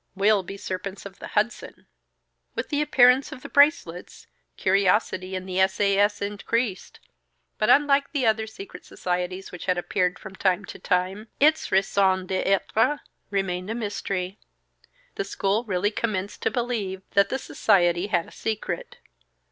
We'll be Serpents of the Hudson." With the appearance of the bracelets, curiosity in the S. A. S. increased, but unlike the other secret societies which had appeared from time to time, its raison d'être remained a mystery. The school really commenced to believe that the society had a secret.